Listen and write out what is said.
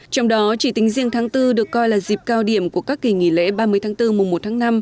trong đó chỉ tính riêng tháng bốn được coi là dịp cao điểm của các kỳ nghỉ lễ ba mươi tháng bốn mùa một tháng năm